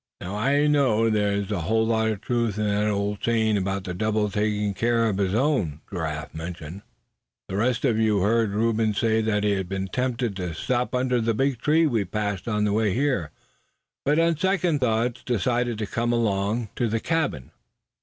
"Now I know that there's a whole lot of truth in that old saying about the devil taking care of his own," Giraffe mentioned. "The rest of you heard Reuben say he had been tempted to stop under that big tree we passed on the way here; but on second thoughts decided to come along to the cabin.